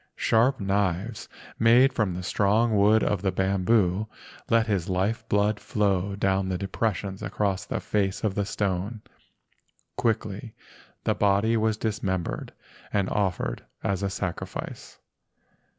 Sharp knives made from the strong wood of the bamboo let his life blood flow down the depressions across the face of the stone. Quickly the body was dismembered and offered as a sacrifice.